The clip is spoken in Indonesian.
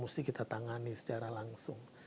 mesti kita tangani secara langsung